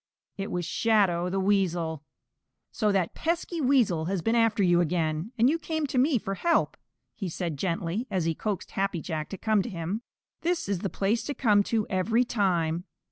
It was Shadow the Weasel. "So that pesky Weasel has been after you again, and you came to me for help," said he gently, as he coaxed Happy Jack to come to him. "This is the place to come to every time.